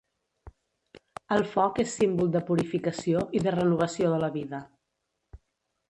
El foc és símbol de purificació i de renovació de la vida.